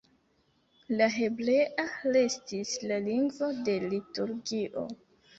La hebrea restis la lingvo de liturgio.